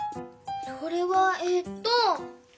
それはええっと。